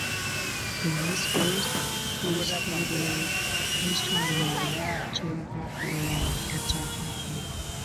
In his youth he studied astronomy, geography and cartography.